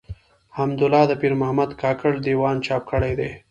حمدالله د پيرمحمد کاکړ د ېوان چاپ کړی دﺉ.